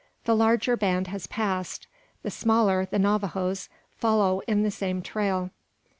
The larger band has passed. The smaller, the Navajoes, follow in the same trail.